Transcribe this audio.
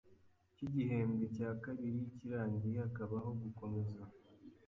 cy’igihembwe cya kabiri kirangiye, hakabaho gukomeza